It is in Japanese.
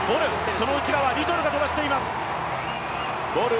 その内側リトルが飛ばしています。